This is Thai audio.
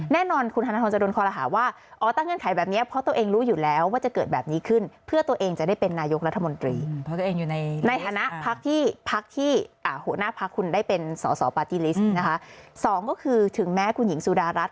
แน่นอนคุณธนทร์จะโดนคอรหาว่า